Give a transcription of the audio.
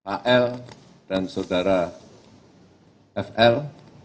al dan saudara fl